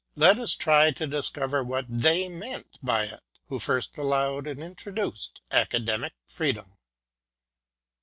let us try to discover what they meant by it who first allowed and introduced Academic Freedom.